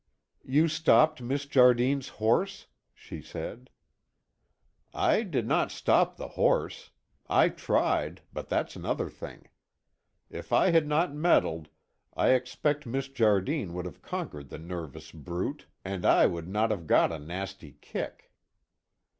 "You stopped Miss Jardine's horse?" she said. "I did not stop the horse. I tried, but that's another thing. If I had not meddled, I expect Miss Jardine would have conquered the nervous brute and I would not have got a nasty kick."